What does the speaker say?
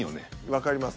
わかります。